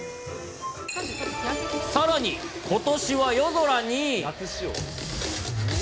さらに、ことしは夜空に。